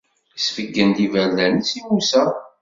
Isbeggen-d iberdan-is i Musa.